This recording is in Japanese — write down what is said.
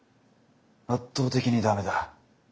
圧倒的に駄目だ。